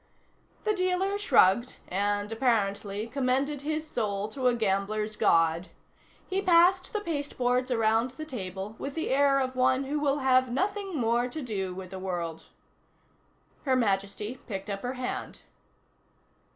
The dealer shrugged and, apparently, commended his soul to a gambler's God. He passed the pasteboards around the table with the air of one who will have nothing more to do with the world. Her Majesty picked up her hand.